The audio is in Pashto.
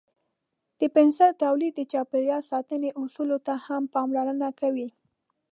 د پنسل تولید د چاپیریال ساتنې اصولو ته هم پاملرنه کوي.